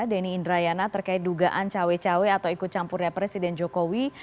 denny indrayana terkait dugaan cawe cawe atau ikut campurnya presiden jokowi